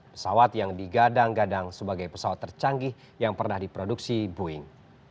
pesawat yang digadang gadang sebagai pesawat tercanggih yang pernah diproduksi boeing